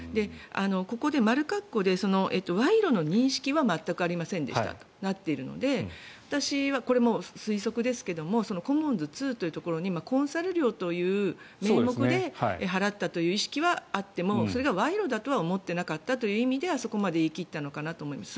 ここで丸括弧で賄賂の認識は全くありませんでしたとなっているので私は、推測ですがコモンズ２というところにコンサル料という名目で払ったという意識はあってもそれが賄賂だとは思っていなかったという意味でそこまで言い切ったのかなと思います。